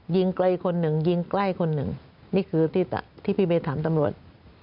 ยิงไกลคนหนึ่งยิงใกล้คนหนึ่งนี่คือที่พี่เบย์ถามตำรวจ